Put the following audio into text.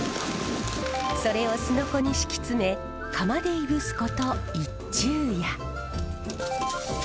それをすのこに敷き詰め窯でいぶすこと一昼夜。